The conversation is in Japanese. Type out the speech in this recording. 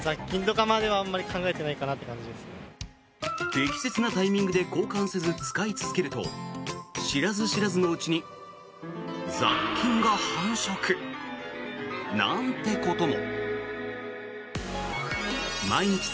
適切なタイミングで交換せず使い続けると知らず知らずのうちに雑菌が繁殖なんてことも。